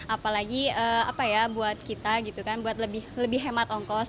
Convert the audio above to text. apalagi buat kita gitu kan buat lebih hemat ongkos